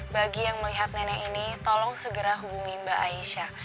bagi yang melihat nenek ini tolong segera hubungi mbak aisyah